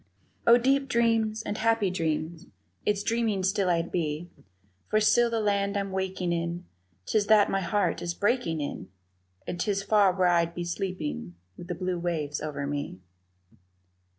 Oh, deep dreams and happy dreams, Its dreaming still I'd be, For still the land I'm waking in, 'Tis that my heart is breaking in, And 'tis far where I'd be sleeping with the blue waves over me.